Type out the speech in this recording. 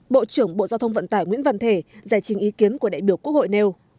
bộ trưởng bộ giao thông vận tải nguyễn văn thể giải trình ý kiến của đại biểu quốc hội nêu